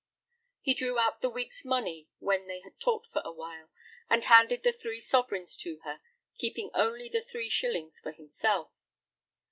He drew out the week's money when they had talked for a while, and handed the three sovereigns to her, keeping only the three shillings for himself.